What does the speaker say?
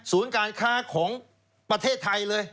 การค้าของประเทศไทยเลย